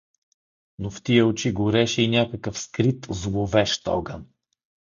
Но в тия очи гореше и някакъв скрит, зловещ огън.